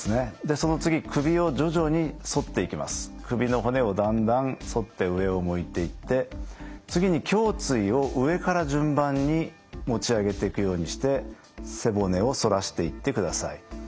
その次首の骨をだんだん反って上を向いていって次に胸椎を上から順番に持ち上げていくようにして背骨を反らしていってください。